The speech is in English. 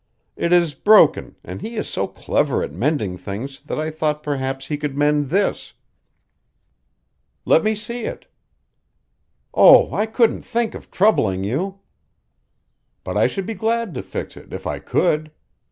It is broken, and he is so clever at mending things that I thought perhaps he could mend this." "Let me see it." "Oh, I couldn't think of troubling you." "But I should be glad to fix it if I could.